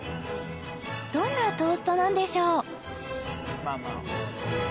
どんなトーストなんでしょう？